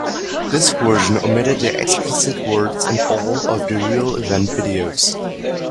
This version omitted the explicit words and all of the real-event videos.